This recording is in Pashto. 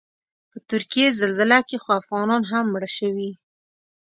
په ترکیې زلزله کې خو افغانان هم مړه شوي.